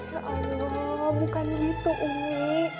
ya allah bukan gitu umi